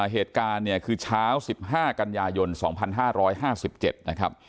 เหตุการณ์เนี่ยคือเช้า๑๕กันยายน๒๕๕๗นะครับ